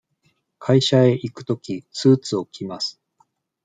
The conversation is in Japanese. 会社へ行くとき、スーツを着ます。